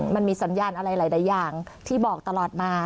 มันมีสัญญาณอะไรหลายอย่างที่บอกตลอดมา